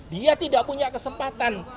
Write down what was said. dia tidak punya kesempatan